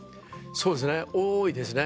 そうですね多いですね。